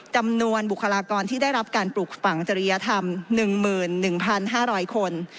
บุคลากรที่ได้รับการปลูกฝังจริยธรรม๑๑๕๐๐คน